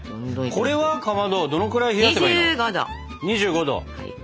これはかまどどのくらい冷やせばいいの？